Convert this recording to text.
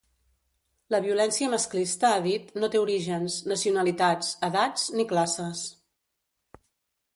La violència masclista, ha dit, no té orígens, nacionalitats, edats, ni classes.